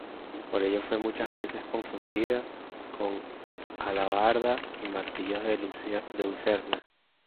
Por ello fue muchas veces confundida con alabardas y martillos de Lucerna.